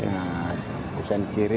nah kusen kiri